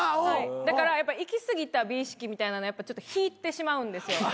だから行き過ぎた美意識みたいなのやっぱ引いてしまうんですよ。